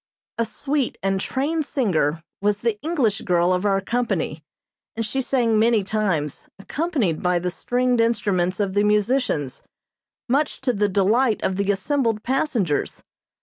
A sweet and trained singer was the English girl of our company, and she sang many times, accompanied by the stringed instruments of the musicians, much to the delight of the assembled passengers.